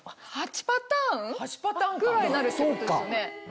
８パターンぐらいになるってことですよね。